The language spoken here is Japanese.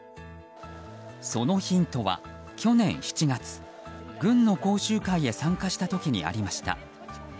そのヒントは去年７月軍の講習会に参加した時にありました。